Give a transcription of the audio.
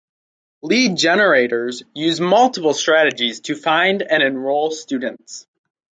Lead generators use multiple strategies to find and enroll students.